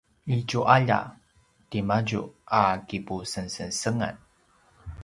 i tju’alja timadju a kipusengsengsengan